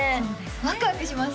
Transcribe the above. ワクワクします